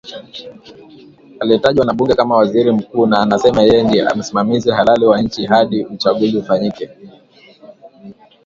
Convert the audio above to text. aliyetajwa na bunge kama waziri mkuu, na anasema yeye ndie msimamizi halali wa nchi hadi uchaguzi ufanyike